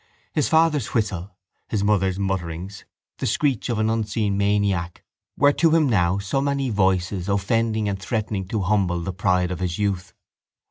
His father's whistle, his mother's mutterings, the screech of an unseen maniac were to him now so many voices offending and threatening to humble the pride of his youth.